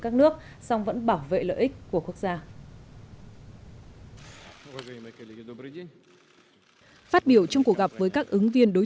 các nước song vẫn bảo vệ lợi ích của quốc gia phát biểu trong cuộc gặp với các ứng viên đối